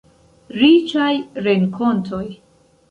Riĉaj renkontoj.